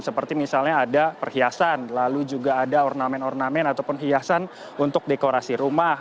seperti misalnya ada perhiasan lalu juga ada ornamen ornamen ataupun hiasan untuk dekorasi rumah